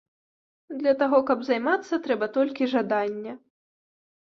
Для таго, каб займацца, трэба толькі жаданне.